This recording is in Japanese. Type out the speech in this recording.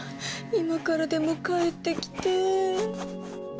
今からでも帰って来て。